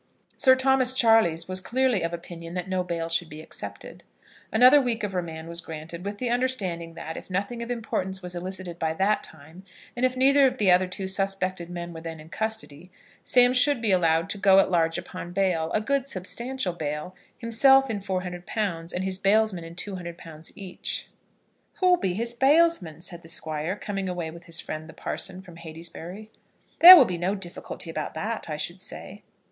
Sir Thomas Charleys was clearly of opinion that no bail should be accepted. Another week of remand was granted with the understanding that, if nothing of importance was elicited by that time, and if neither of the other two suspected men were then in custody, Sam should be allowed to go at large upon bail a good, substantial bail, himself in £400, and his bailsmen in £200 each. "Who'll be his bailsmen?" said the Squire, coming away with his friend the parson from Heytesbury. "There will be no difficulty about that, I should say."